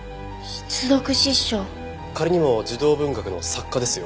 仮にも児童文学の作家ですよ。